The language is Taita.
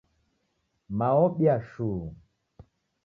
Mao obia shuu